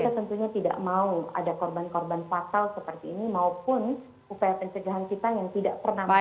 kita tentunya tidak mau ada korban korban fatal seperti ini maupun upaya pencegahan kita yang tidak pernah